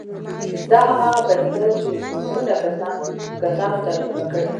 دا هماغه پدیده ده چې میلیونونه کسانو تجربه کړې